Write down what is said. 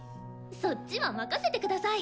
そっちは任せてください！